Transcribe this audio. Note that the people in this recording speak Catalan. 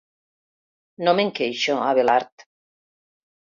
No me'n queixo, Abelard.